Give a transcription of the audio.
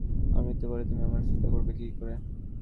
আমার মৃত্যুর পরে তুমি আমার শ্রাদ্ধ করবে কী করে!